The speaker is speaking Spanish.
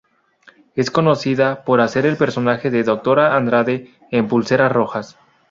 Es conocida por hacer el personaje de doctora Andrade en "Pulseras rojas".